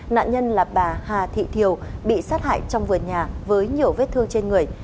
nạn nhân là bà hà thị thiều bị sát hại trong vườn nhà với nhiều vết thương trên người